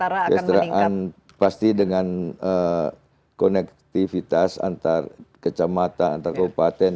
ya apabila kesejahteraan pasti dengan konektivitas antar kecamata antar kabupaten